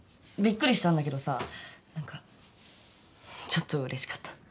びっくりしたんだけどさ何かちょっとうれしかった。